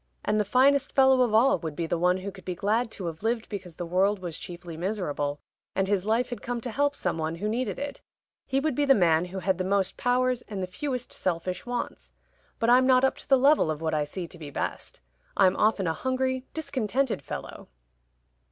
And the finest fellow of all would be the one who could be glad to have lived because the world was chiefly miserable, and his life had come to help some one who needed it. He would be the man who had the most powers and the fewest selfish wants. But I'm not up to the level of what I see to be best. I'm often a hungry discontented fellow."